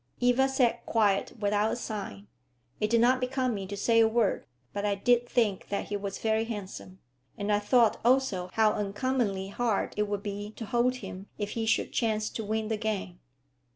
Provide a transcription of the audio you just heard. Eva sat quiet without a sign. It did not become me to say a word, but I did think that he was very handsome; and I thought also how uncommonly hard it would be to hold him if he should chance to win the game.